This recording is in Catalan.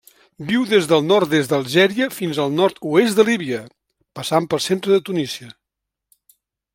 Viu des del nord-est d'Algèria fins al nord-oest de Líbia, passant pel centre de Tunísia.